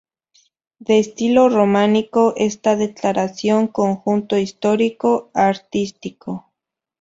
De estilo románico, está declarada Conjunto Histórico-Artístico.